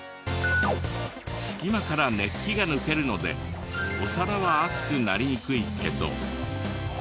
隙間から熱気が抜けるのでお皿は熱くなりにくいけど。